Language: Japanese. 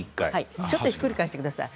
ちょっとひっくり返してください